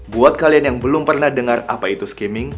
buat kalian yang belum pernah dengar apa itu skimming